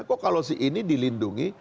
kok kalau si ini dilindungi